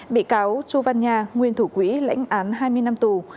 bị cáo chu văn nhà nguyên thủ quỹ lãnh án hai mươi năm tù